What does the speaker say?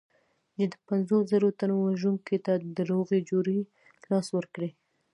چې د پنځو زرو تنو وژونکي ته د روغې جوړې لاس ورکړي.